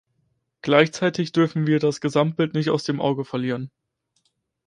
Gleichzeitig dürfen wir das Gesamtbild nicht aus dem Auge verlieren.